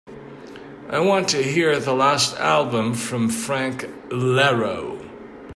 I want to hear the last album from Frank Iero